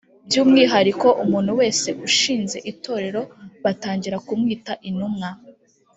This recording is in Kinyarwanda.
by’umwihariko umuntu wese ushinze itorero batangira kumwita Intumwa